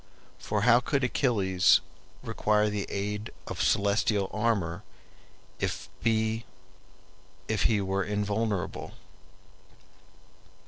For how could Achilles require the aid of celestial armor if be were invulnerable?